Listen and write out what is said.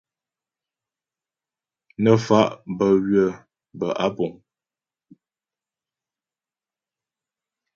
Nə́ fa' bə́ ywə̌ bə́ á púŋ.